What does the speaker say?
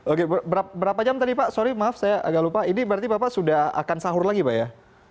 oke berapa jam tadi pak sorry maaf saya agak lupa ini berarti bapak sudah akan sahur lagi pak ya